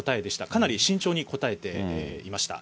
かなり慎重に答えていました。